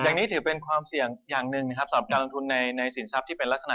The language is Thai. อย่างนี้ถือเป็นความเสี่ยงอย่างหนึ่งนะครับสำหรับการลงทุนในสินทรัพย์ที่เป็นลักษณะ